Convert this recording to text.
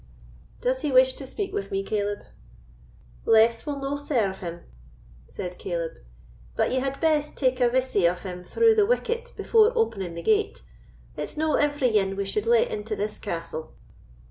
"Does he wish to speak with me, Caleb?" "Less will no serve him," said Caleb; "but ye had best take a visie of him through the wicket before opening the gate; it's no every ane we suld let into this castle."